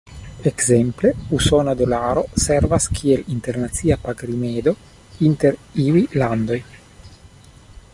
Ekzemple, usona dolaro servas kiel internacia pag-rimedo inter iuj landoj.